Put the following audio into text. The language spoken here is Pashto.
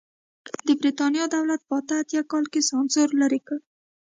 د برېټانیا دولت په اته اتیا کال کې سانسور لرې کړ.